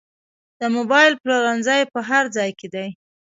د موبایل پلورنځي په هر ځای کې دي